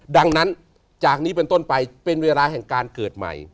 ดังนั้นจากนี้เป็นต้นไปเป็นเวลาแห่งการเกิดใหม่